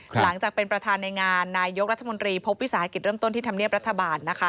หลังจากเป็นประธานในงานนายยกรัฐมนตรีพบวิสาหกิจเริ่มต้นที่ธรรมเนียบรัฐบาลนะคะ